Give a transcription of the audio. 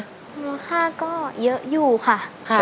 มูลค่าก็เยอะอยู่ค่ะ